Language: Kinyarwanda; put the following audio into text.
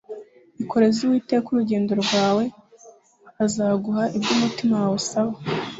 Ikoreze uwiteka urugendo rwawe azaguha ibyo umutima wawe usaba